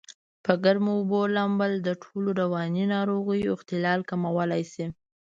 په ګرمو اوبو لامبل دټولو رواني ناروغیو اختلال کمولای شي.